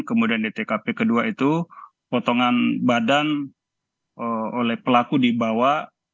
kemudian di tkp kedua itu potongan badan oleh pelaku dibawa